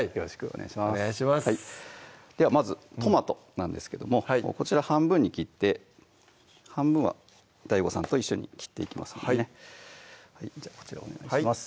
お願いしますではまずトマトなんですけどもこちら半分に切って半分はＤＡＩＧＯさんと一緒に切っていきますのでねじゃあこちらお願いします